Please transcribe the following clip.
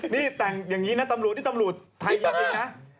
นี่แต่งอย่างนี้นะตำรวจนี่ตำรวจไทยจริงนะ